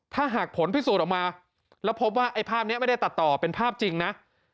ถ้าหากผลพิสูจน์ออกมาแล้วพบว่าไอ้ภาพนี้ไม่ได้ตัดต่อเป็นภาพจริงนะ